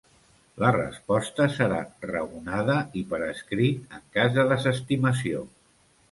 La resposta serà raonada i per escrit en cas de desestimació.